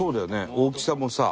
大きさもさ。